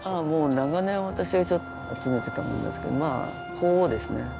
もう長年私が集めてたものですけどまあ鳳凰ですね。